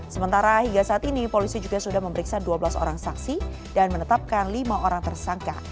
sementara hingga saat ini polisi juga sudah memeriksa dua belas orang saksi dan menetapkan lima orang tersangka